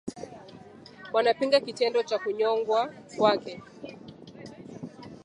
Wanapinga kitendo cha kunyongwa kwake